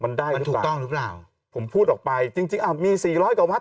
มันได้มันถูกต้องหรือเปล่าผมพูดออกไปจริงจริงอ้าวมีสี่ร้อยกว่าวัด